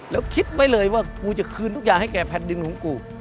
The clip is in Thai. แล้วคิดไว้เลยว่ากูจะคืนทุกอย่างให้แก่แผ่นดินของกู